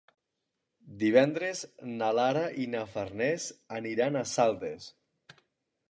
Divendres na Lara i na Farners aniran a Saldes.